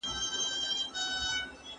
آیا لیکل په معلوماتو کې مرسته کوي؟